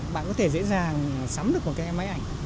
bạn có thể dễ dàng sắm được một cái máy ảnh